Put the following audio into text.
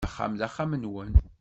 Axxam d axxam-nwen.